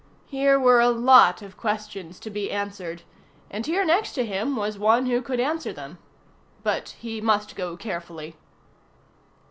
Here were a lot of questions to be answered, and here next to him was one who could answer them. But he must go carefully.